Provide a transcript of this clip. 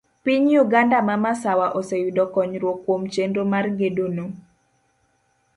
Piny Uganda ma masawa oseyudo konyruok kuom chenro mar gedono.